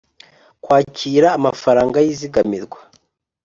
kwakira amafaranga yizigamirwa